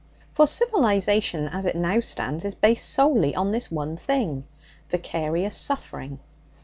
For civilization as it now stands is based solely on this one thing vicarious suffering.